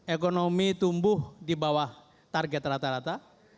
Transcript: ekonomi tumbuh di bawah target rata rata